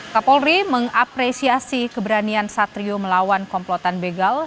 kapolri mengapresiasi keberanian satrio melawan komplotan begal